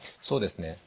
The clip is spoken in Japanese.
そうですね